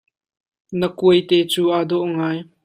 Na kuaite cu aa dawh ngai.